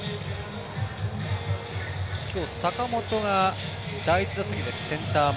今日、坂本が第１打席でセンター前。